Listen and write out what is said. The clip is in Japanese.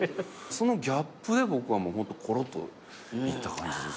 そのギャップで僕はコロッといった感じですね。